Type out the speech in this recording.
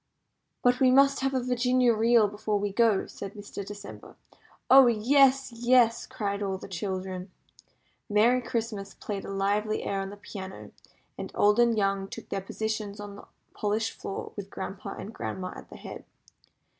"But we must have a Virginia Reel before we go," said Mr. December. "Oh, yes, yes!" cried all the children. Merry Christmas played a lively air on the piano, and old and young took their positions on the polished floor with grandpa and grandma at the head.